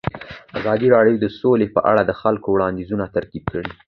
ازادي راډیو د سوله په اړه د خلکو وړاندیزونه ترتیب کړي.